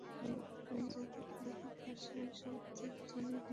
ভিন্ন ভিন্ন জাতির ভাষায় শব্দের ধ্বনি ভিন্ন ভিন্ন হইবে।